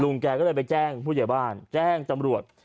แกก็เลยไปแจ้งผู้ใหญ่บ้านแจ้งตำรวจ